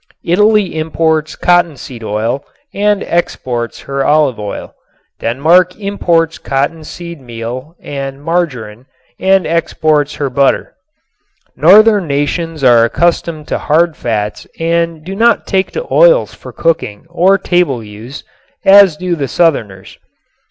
Italy imports cottonseed oil and exports her olive oil. Denmark imports cottonseed meal and margarine and exports her butter. Northern nations are accustomed to hard fats and do not take to oils for cooking or table use as do the southerners.